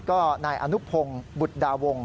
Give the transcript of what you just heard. ก็นายอนุพงศ์บุตรดาวง